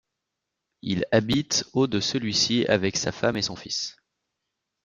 Il habite au de celui-ci avec sa femme et son fils.